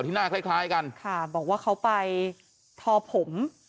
หน้าคล้ายคล้ายกันค่ะบอกว่าเขาไปทอผม